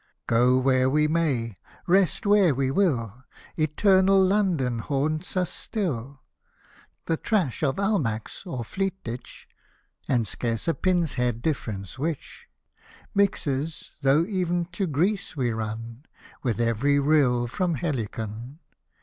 Go where we may — rest where we will, Eternal London haunts us still. The trash of Almack's or Fleet Ditch — And scarce a pin's head difference which Mixes, though ev'n to Greece we run, With every rill from Helicon